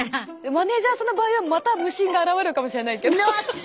マネージャーさんの場合はまた無心が現れるかもしれないけど。